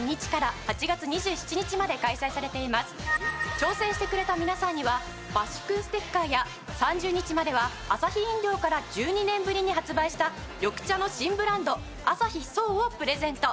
挑戦してくれた皆さんにはバッシュくんステッカーや３０日まではアサヒ飲料から１２年ぶりに発売した緑茶の新ブランドアサヒ颯をプレゼント。